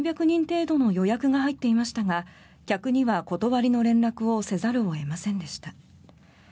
３００人程度の予約が入っていましたが客には、断りの連絡をせざるを得ませんでした。